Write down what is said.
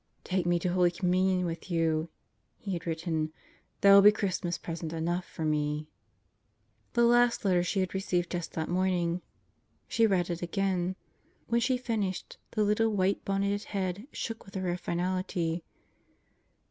"Take me to Holy Communion with you," he had written; "that will be Christmas present enough for me." The last letter she had received just that morning. She read it again. When she finished the little white bonneted head shook with a rare finality.